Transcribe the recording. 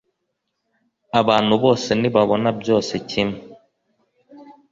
abantu bose ntibabona byose kimwe.